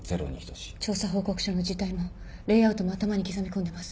調査報告書の字体もレイアウトも頭に刻みこんでます。